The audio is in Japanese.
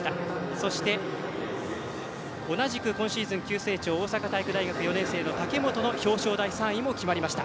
そして同じく今シーズン急成長大阪体育大学４年生の武本の表彰台３位も決まりました。